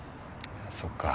そっか。